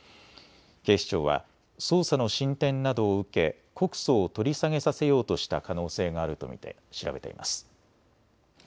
警視庁は捜査の進展などを受け告訴を取り下げさせようとした可能性があると見て調べています。